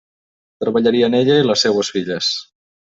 Treballarien ella i les seues filles.